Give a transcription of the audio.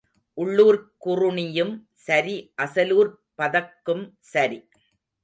உள்ளூர்க் குறுணியும் சரி அசலூர்ப் பதக்கும் சரி.